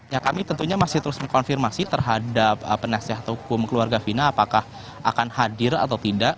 ya kami tentunya masih terus mengkonfirmasi terhadap penasihat hukum keluarga fina apakah akan hadir atau tidak